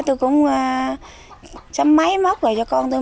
tôi cũng sắm máy móc cho con tôi